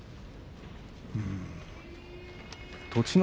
栃ノ